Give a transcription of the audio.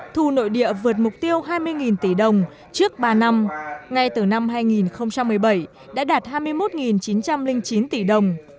thu nội địa vượt mục tiêu hai mươi tỷ đồng trước ba năm ngay từ năm hai nghìn một mươi bảy đã đạt hai mươi một chín trăm linh chín tỷ đồng